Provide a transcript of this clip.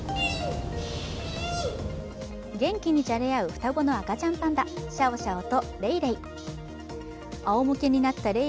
元気にじゃれ合う双子の赤ちゃんパンダシャオシャオとレイレイ。